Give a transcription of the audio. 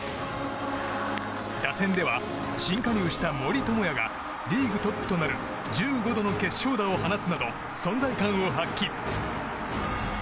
打線では、新加入した森友哉がリーグトップとなる１５度の決勝打を放つなど存在感を発揮。